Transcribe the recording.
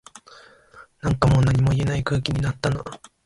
なんかもう何も言えない空気になったな